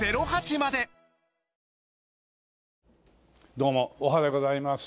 どうもおはでございます。